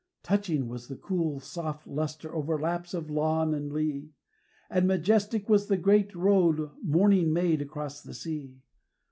Touching was the cool, soft lustre over laps of lawn and lea; And majestic was the great road Morning made across the sea.